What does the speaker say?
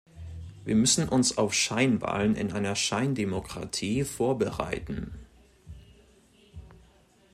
Wir müssen uns auf Scheinwahlen in einer Scheindemokratie vorbereiten.